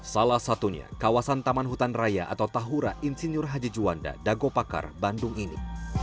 salah satunya kawasan taman hutan raya atau tahura insinyur haji juanda dagopakar bandung ini